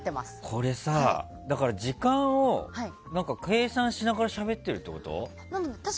これさ、時間を計算しながらしゃべってるってこと？